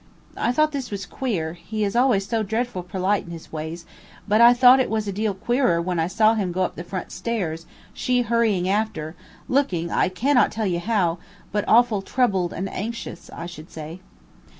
I thought this was queer, he is always so dreadful perlite in his ways, but I thought it was a deal queerer when I saw him go up the front stairs, she hurrying after, looking I cannot tell you how, but awful troubled and anxious, I should say.